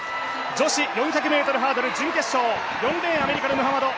女子４００ｍハードル準決勝４レーン、アメリカのムハマド